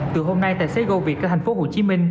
từ hôm nay tài xế goviet ở tp hcm